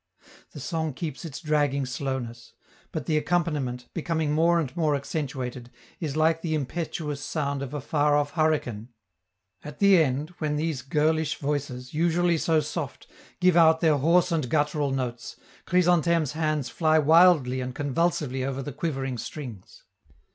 The song keeps its dragging slowness; but the accompaniment, becoming more and more accentuated, is like the impetuous sound of a far off hurricane. At the end, when these girlish voices, usually so soft, give out their hoarse and guttural notes, Chrysantheme's hands fly wildly and convulsively over the quivering strings.